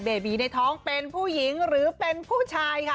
บีในท้องเป็นผู้หญิงหรือเป็นผู้ชายค่ะ